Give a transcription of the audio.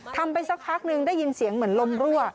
ไปสักพักหนึ่งได้ยินเสียงเหมือนลมรั่ว